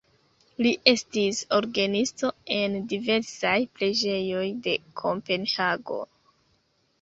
Li estis orgenisto en diversaj preĝejoj de Kopenhago.